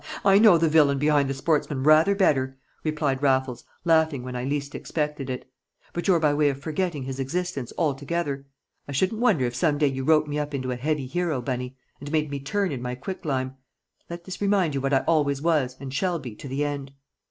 "I know the villain behind the sportsman rather better," replied Raffles, laughing when I least expected it. "But you're by way of forgetting his existence altogether. I shouldn't wonder if some day you wrote me up into a heavy hero, Bunny, and made me turn in my quicklime! Let this remind you what I always was and shall be to the end."